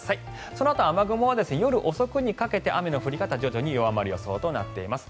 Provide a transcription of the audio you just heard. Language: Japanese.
そのあと雨雲は夜遅くにかけて雨の降り方は徐々に弱まる予想となっています